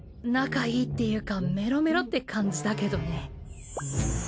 仲いいっていうかメロメロって感じだけどね。